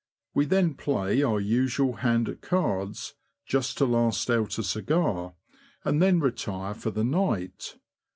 We then play our usual hand at cards, just to last out a cigar, and then retire for the night.